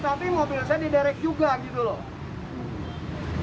tapi mobil saya diderek juga gitu loh